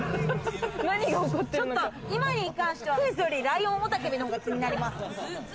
今に関してはクイズよりライオン雄たけびの方が気になります。